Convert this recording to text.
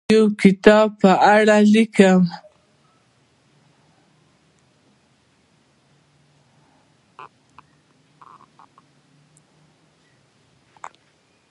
زه د یو کتاب په اړه لیکم.